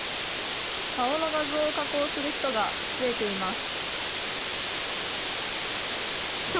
顔の画像を加工する人が増えています。